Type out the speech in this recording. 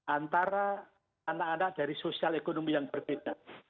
antara anak anak dari sosial ekonomi yang berbeda